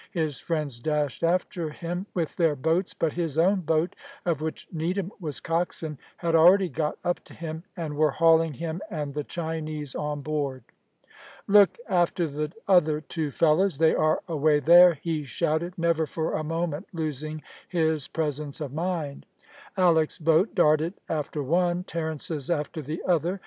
His friends dashed after him with their boats, but his own boat, of which Needham was coxswain, had already got up to him, and were hauling him and the Chinese on board. "Look after the other two fellows. They are away there," he shouted, never for a moment losing his presence of mind. Alick's boat darted after one, Terence's after the other.